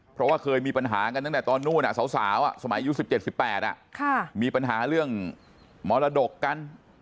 เพราะว่าเคยมีปัญหากันตั้งแต่ตอนนู้นสาวสมัยอายุ๑๗๑๘มีปัญหาเรื่องมรดกกัน